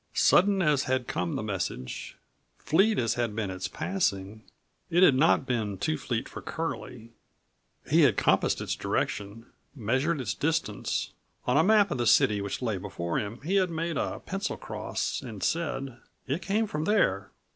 Sudden as had come the message, fleet as had been its passing, it had not been too fleet for Curlie. He had compassed its direction; measured its distance. On a map of the city which lay before him he had made a pencil cross and said: "It came from there."